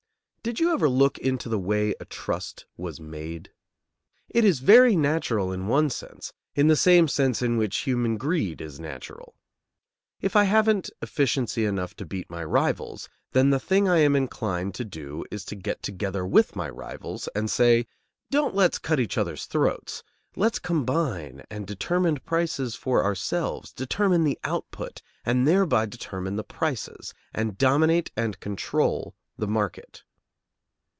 Did you ever look into the way a trust was made? It is very natural, in one sense, in the same sense in which human greed is natural. If I haven't efficiency enough to beat my rivals, then the thing I am inclined to do is to get together with my rivals and say: "Don't let's cut each other's throats; let's combine and determine prices for ourselves; determine the output, and thereby determine the prices: and dominate and control the market."